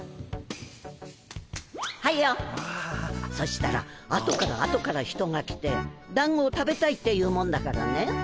そしたら後から後から人が来てだんごを食べたいっていうもんだからね。